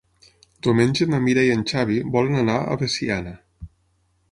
Diumenge na Mira i en Xavi volen anar a Veciana.